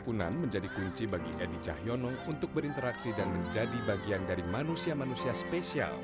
terima kasih bagi ndi cahyono untuk berinteraksi dan menjadi bagian dari manusia manusia spesial